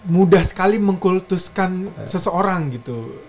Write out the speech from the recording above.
mudah sekali mengkultuskan seseorang gitu